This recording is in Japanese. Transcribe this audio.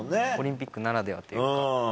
オリンピックならではというか。